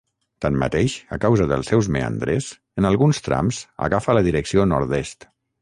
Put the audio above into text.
Tanmateix, a causa dels seus meandres, en alguns trams agafa la direcció nord-est.